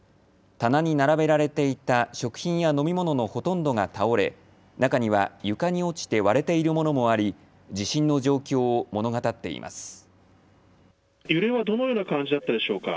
棚に並べられていた食品や飲み物のほとんどが倒れ、中には床に落ちて割れているものもあり地震の状況を物語っています。